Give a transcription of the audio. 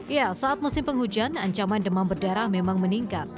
ya saat musim penghujan ancaman demam berdarah memang meningkat